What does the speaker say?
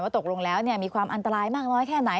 ตกลงแล้วมีความอันตรายมากน้อยแค่ไหน